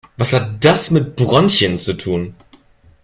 Was hat das mit den Bronchien zu tun?